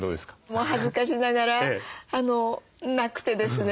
もう恥ずかしながらなくてですね。